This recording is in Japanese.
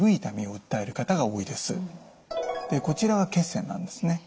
こちらは血栓なんですね。